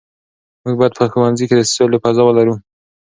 موږ باید په ښوونځي کې د سولې فضا ولرو.